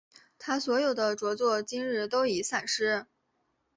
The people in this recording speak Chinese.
他所有的着作今日都已散失。